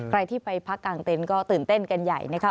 ใครที่ไปพักกลางเต็นต์ก็ตื่นเต้นกันใหญ่นะคะ